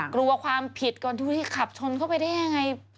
กลัวความผิดก่อนที่ขับชนเข้าไปได้ยังไง